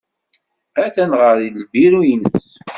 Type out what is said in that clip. Atan ɣer lbiru-nnes.